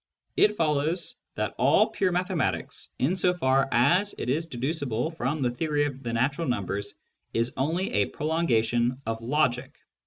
It follows that all pure mathematics, in so far as it is deducible from the theory of the natural numbers, is only a prolongation of logic.